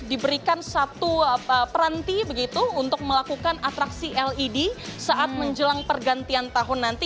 diberikan satu peranti begitu untuk melakukan atraksi led saat menjelang pergantian tahun nanti